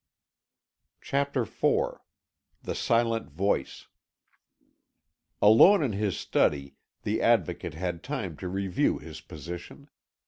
CHAPTER IV THE SILENT VOICE Alone in his study the Advocate had time to review his position.